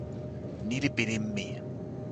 ni li pilin mi.